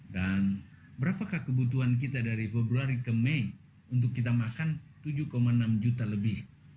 dan berapakah kebutuhan kita dari februari ke mei untuk kita makan tujuh enam juta lebih